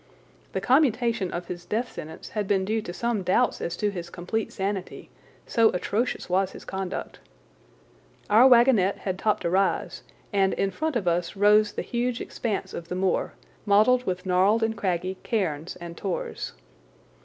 The commutation of his death sentence had been due to some doubts as to his complete sanity, so atrocious was his conduct. Our wagonette had topped a rise and in front of us rose the huge expanse of the moor, mottled with gnarled and craggy cairns and tors.